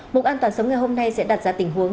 mục an toàn sống ngày hôm nay sẽ đặt ra tình huống